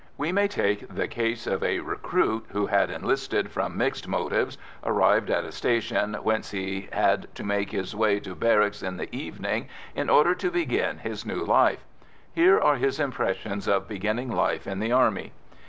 We may take the case of a recruit who had enlisted from mixed motives, arrived at a station whence he had to make his way to barracks in the evening, in order to begin his new life; here are his impressions of beginning life in the Army.